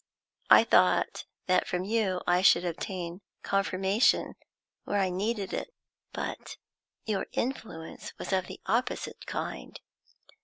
I thought that from you I should obtain confirmation where I needed it, but your influence was of the opposite kind.